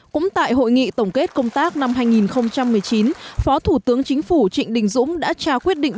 cũng tại hội nghị tổng kết công tác năm hai nghìn một mươi chín phó thủ tướng chính phủ trịnh đình dũng đã trao quyết định